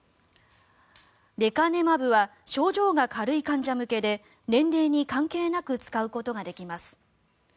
レカネマブは症状が軽い患者向けで年齢に関係なく使うことができます。